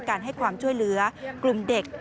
ให้ความช่วยเหลือกลุ่มเด็ก